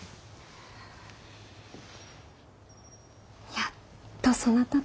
やっとそなたと。